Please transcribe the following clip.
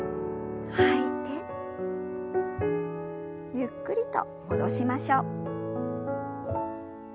ゆっくりと戻しましょう。